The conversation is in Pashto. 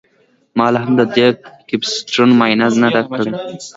ما لاهم د دې کیپیسټرونو معاینه نه ده کړې